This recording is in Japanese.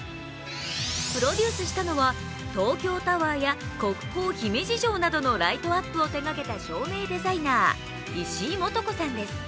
プロデュースしたのは、東京タワーや国宝・姫路城などのライトアップを手がけた照明デザイナー、石井幹子さんです。